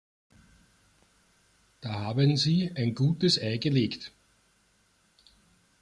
Da haben sie ein gutes Ei gelegt.